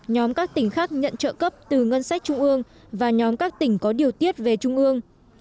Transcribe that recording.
nhóm các tỉnh khác nhận trợ cấp từ ngân sách trung ương và nhóm các tỉnh có điều tiết về trung ương